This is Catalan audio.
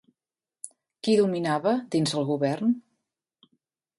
Qui dominava dins el govern?